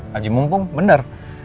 haji mumpung bener